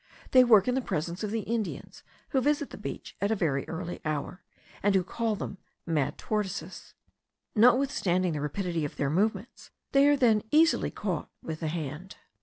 They work in the presence of the Indians, who visit the beach at a very early hour, and who call them mad tortoises. Notwithstanding the rapidity of their movements, they are then easily caught with the hand.